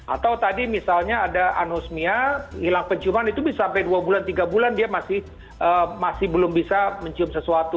atau tadi misalnya ada anosmia hilang penciuman itu bisa sampai dua bulan tiga bulan dia masih belum bisa mencium sesuatu